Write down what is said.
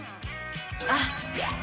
あっ！